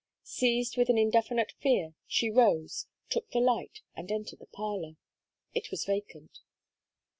Seized with an indefinite fear, she rose, took the light, and entered the parlour: it was vacant.